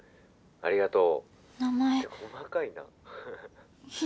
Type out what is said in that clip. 「ありがとう！